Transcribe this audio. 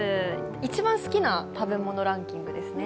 一番好きな食べ物ランキングですね。